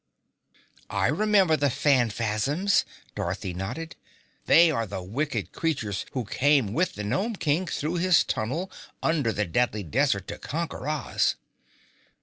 "I remember the Phanfasms," Dorothy nodded. "They are the wicked creatures who came with the Nome King through his tunnel under the Deadly Desert to conquer Oz."